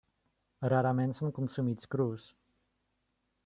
Rarament són consumits crus.